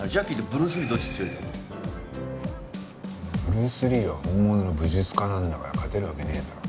ブルース・リーは本物の武術家なんだから勝てるわけねえだろ。